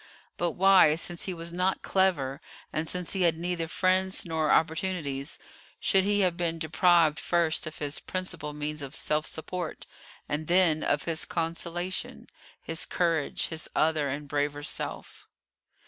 But why, since he was not clever, and since he had neither friends nor opportunities, should he have been deprived first of his principal means of self support, and then of his consolation, his courage, his other and braver self?